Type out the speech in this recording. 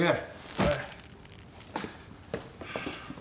はい。